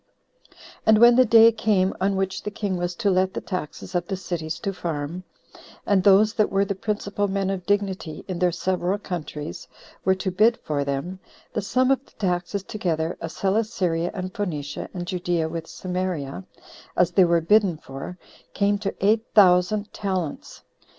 4. And when the day came on which the king was to let the taxes of the cities to farm, and those that were the principal men of dignity in their several countries were to bid for them, the sum of the taxes together, of Celesyria, and Phoenicia, and Judea, with Samaria, [as they were bidden for,] came to eight thousand talents.